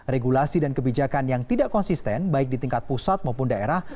regulasi dan kebijakan yang tidak konsisten baik di tingkat pusat maupun daerah